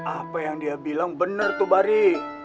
apa yang dia bilang benar tuh bari